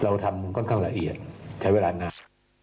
เราทำค่อนข้างละเอียดใช้เวลานาน